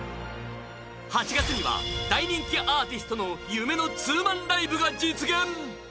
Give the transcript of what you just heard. ８月には大人気アーティストの夢のツーマンライブが実現。